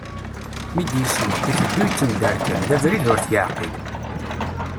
Mi d-yeswa, iteddu yettemderkal, d abrid ur t-yeɛqil.